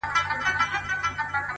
پرمختګ له کوچنیو ګامونو جوړېږي